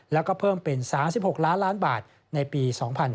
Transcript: แล้วก็เพิ่มเป็น๓๖ล้านล้านบาทในปี๒๕๕๙